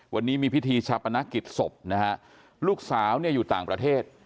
วันนี้มีพิธีชาปนกิจศพนะฮะลูกสาวเนี่ยอยู่ต่างประเทศ